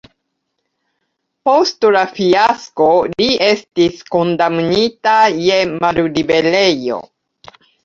Post la fiasko li estis kondamnita je malliberejo.